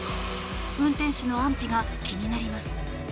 運転手の安否が気になります。